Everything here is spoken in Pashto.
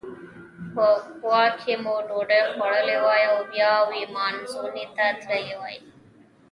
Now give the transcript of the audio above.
په کووا کې مو ډوډۍ خوړلې وای او بیا ویامنزوني ته تللي وای.